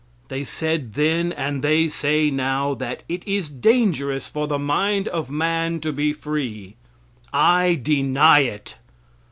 They said then, and they say now, that it is dangerous for the mind of man to be free. I deny it.